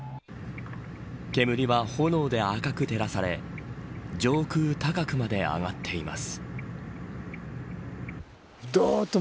煙は炎で赤く照らされ上空高くまで上がっています。